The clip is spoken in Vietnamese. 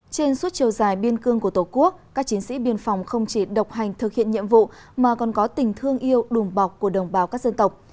trên suốt chiều dài biên cương của tổ quốc các chiến sĩ biên phòng không chỉ độc hành thực hiện nhiệm vụ mà còn có tình thương yêu đùm bọc của đồng bào các dân tộc